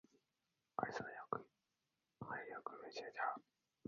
あいつのよくはいよいよひどくなって行って、何でも見るものごとに買いたくなるように仕向けてやった。